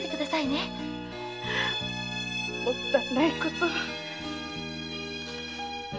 もったいないことを。